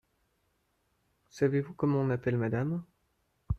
Savez-vous comment on appelle madame ?